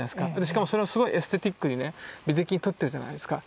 しかもそれはすごいエステティックにね美的に撮ってるじゃないですか。